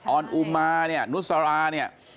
อนอุมาเนี่ยนุสราเนี่ย